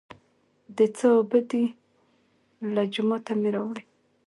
د څاه اوبه دي، له جوماته مې راوړې.